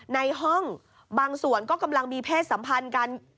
ในห้องบางส่วนก็กำลังมีเพศสัมพันธ์กัน